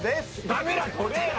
カメラ撮れや！